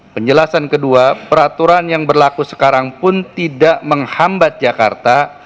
penjelasan kedua peraturan yang berlaku sekarang pun tidak menghambat jakarta